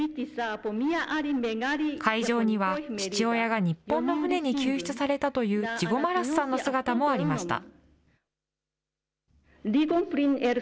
会場には父親が日本の船に救出されたというジゴマラスさんの姿もありました。